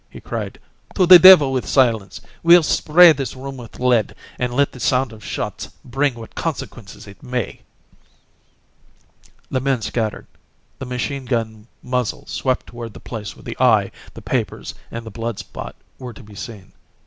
he cried. "To the devil with silence we'll spray this room with lead, and let the sound of shots bring what consequences it may!" The men scattered. The machine gun muzzle swept toward the place where the eye, the papers, and the blood spot were to be seen.